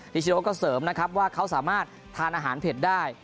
ชโนก็เสริมนะครับว่าเขาสามารถทานอาหารเผ็ดได้